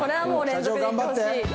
社長頑張って！